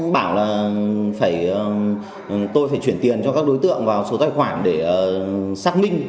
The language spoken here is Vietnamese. bảo là tôi phải chuyển tiền cho các đối tượng vào số tài khoản để xác minh